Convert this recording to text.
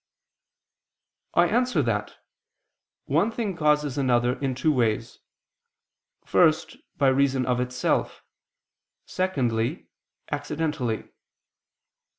I answer that, One thing causes another in two ways: first, by reason of itself; secondly, accidentally.